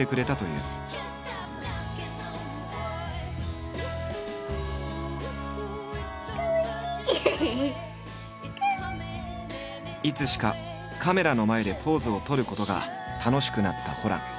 いつしかカメラの前でポーズを取ることが楽しくなったホラン。